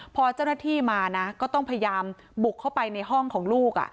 พอเจ้าหน้าที่มานะก็ต้องพยายามบุกเข้าไปในห้องของลูก